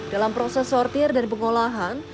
dalam proses sortir dan pengolahan